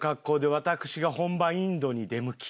私が本場インドに出向き